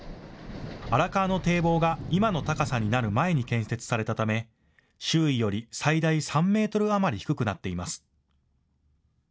荒川の堤防が今の高さになる前に建設されたため周囲より最大３メートル余り低くなっています。